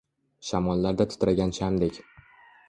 Shamollarda titragan shamdek